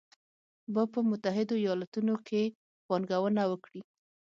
به په متحدو ایالتونو کې پانګونه وکړي